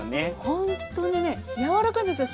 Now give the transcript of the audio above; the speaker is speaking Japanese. ほんとにね柔らかいんですよ